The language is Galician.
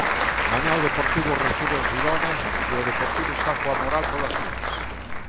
Mañá o Deportivo recibe o Xirona e o Deportivo está coa moral polas nubes.